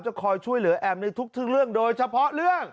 คอยช่วยเหลือแอมในทุกเรื่องโดยเฉพาะเรื่อง